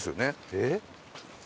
えっ？